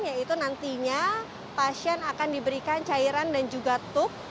yaitu nantinya pasien akan diberikan cairan dan juga tuk